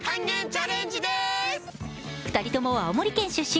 ２人とも青森県出身。